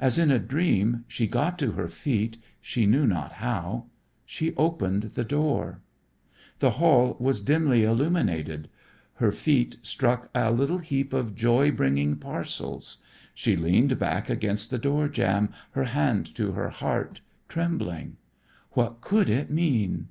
As in a dream she got to her feet, she knew not how. She opened the door. The hall was dimly illuminated. Her feet struck a little heap of joy bringing parcels. She leaned back against the door jamb, her hand to her heart, trembling. What could it mean?